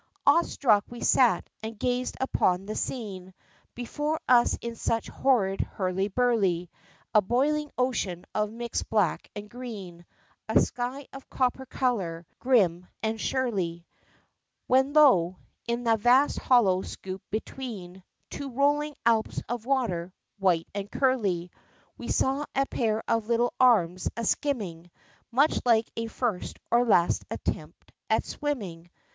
Awe struck we sat, and gazed upon the scene Before us in such horrid hurly burly, A boiling ocean of mixed black and green, A sky of copper color, grim and surly, When lo, in that vast hollow scooped between Two rolling Alps of water, white and curly! We saw a pair of little arms a skimming, Much like a first or last attempt at swimming!